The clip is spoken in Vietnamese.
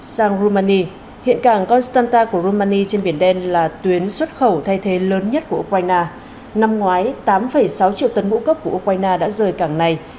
sang rumani hiện cảng constanta của romani trên biển đen là tuyến xuất khẩu thay thế lớn nhất của ukraine năm ngoái tám sáu triệu tấn ngũ cốc của ukraine đã rời cảng này